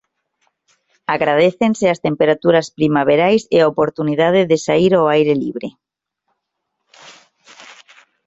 Agradécense as temperaturas primaverais e a oportunidade de saír ao aire libre.